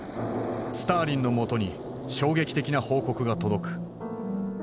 スターリンのもとに衝撃的な報告が届く。